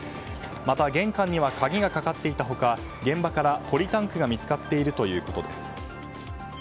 また、玄関には鍵がかかっていた他現場からポリタンクが見つかっているということです。